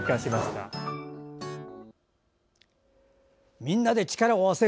みんなで力を合わせる。